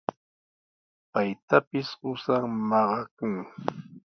Paytapis qusan maqachun.